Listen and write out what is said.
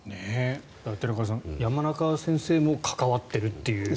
寺門さん、山中先生も関わっているという。